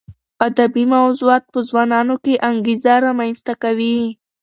ادبي موضوعات په ځوانانو کې انګېزه رامنځته کوي.